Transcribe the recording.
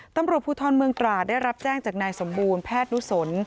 ตำรวจภูทรเมืองตราดได้รับแจ้งจากนายสมบูรณแพทย์นุสน